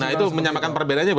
nah itu menyampaikan perbedaannya